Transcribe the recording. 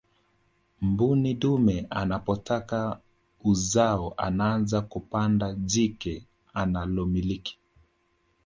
mbuni dume anapotaka uzao anaanza kupanda jike analomiliki